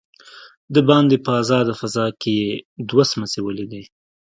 دباندې په آزاده فضا کې يې دوه سمڅې وليدلې.